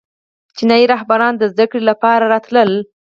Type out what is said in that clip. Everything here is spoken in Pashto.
چینایي راهبان د زده کړې لپاره راتلل